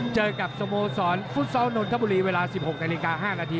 เจอกับสโมสรฟุตซอลนนทบุรีเวลา๑๖นาฬิกา๕นาที